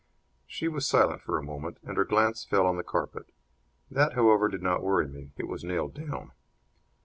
She was silent for a moment, and her glance fell on the carpet. That, however, did not worry me. It was nailed down.